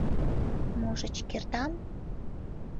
— Можыч, кертам».